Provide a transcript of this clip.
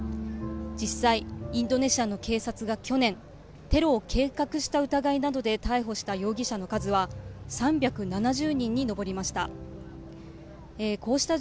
実際、インドネシアの警察が去年テロを計画した疑いなどで逮捕した容疑者の数は３７０人に上りました。